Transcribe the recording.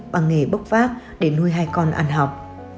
bằng nghề bốc vác để nuôi hai con ăn học